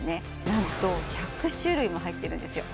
なんと１００種類も入ってるんですよ